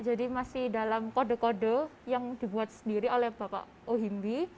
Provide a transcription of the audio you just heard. jadi masih dalam kode kode yang dibuat sendiri oleh bapak ohimbi